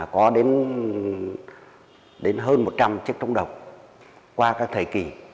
có đến hơn một trăm linh chiếc trống đồng qua các thời kỳ